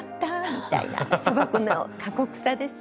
みたいな砂漠の過酷さですね。